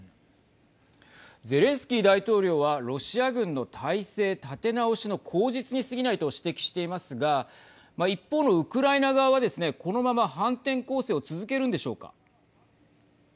ゼレンスキー大統領はロシア軍の態勢立て直しの口実に過ぎないと指摘していますが一方のウクライナ側はですねこのまま反転攻勢を続けるんでしょうか。